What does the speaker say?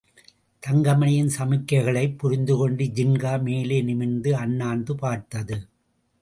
தங்கமணியின் சமிக்கைகளைப் புரிந்துகொண்டு ஜின்கா மேலே நிமிர்ந்து அண்ணாந்து பார்த்தது.